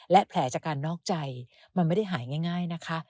และแผลจากการนอกใจมันไม่ได้หายง่ายนะคะ